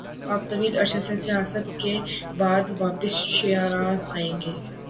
آپ طویل عرصہ سے سیاحت کے بعدواپس شیراز آگئے-